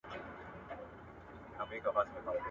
د فلسفي علم موخه د حقیقت د رڼا لټون او ژوند ته لارښوونه ده.